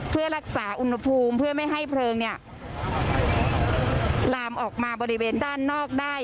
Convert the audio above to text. เพื่อรักษาอุณหภูมิเพื่อไม่ให้เพลิงเนี่ยลามออกมาบริเวณด้านนอกได้